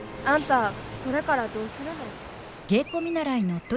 あんたこれからどうするの？